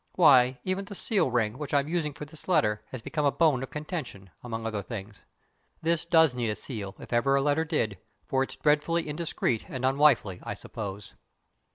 Why, even the seal ring, which I'm using for this letter, has become a bone of contention among other things. This does need a seal, if ever a letter did, for it's dreadfully indiscreet and unwifely, I suppose.